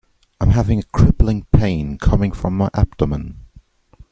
I'm having a crippling pain coming from my abdomen.